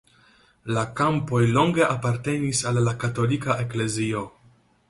La kampoj longe apartenis al la katolika eklezio.